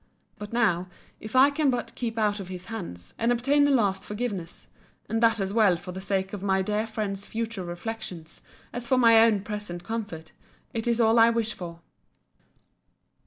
—But now, if I can but keep out of his hands, and obtain a last forgiveness, and that as well for the sake of my dear friends' future reflections, as for my own present comfort, it is all I wish for.